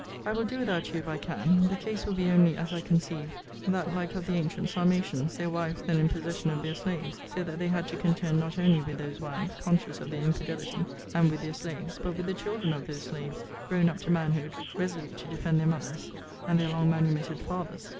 I will do without you, if I can. The case will be only, as I conceive, that like of the ancient Sarmatians, their wives then in possession of their slaves. So that they had to contend not only with those wives, conscious of their infidelity, and with their slaves, but with the children of those slaves, grown up to manhood, resolute to defend their mothers and their long manumitted fathers.